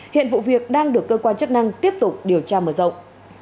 hiện vụ việc đang được cơ quan chức năng tiếp tục điều tra mở rộng